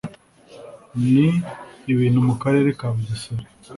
n ibintu mu karere ka bugesera